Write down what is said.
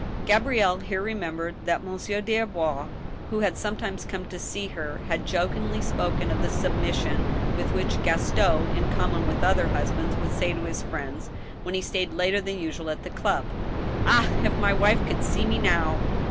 Gabrielle here remembered that Monsieur des Arbois. who had sometimes come to see her, bad jokingly spoken of the submission with which Gaston in common with other husbands would say to his friends when he stayed later than usual at the club, " Ah ! if my wife could sec me now.